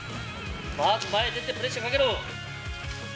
まず前出て、プレッシャーかけろ。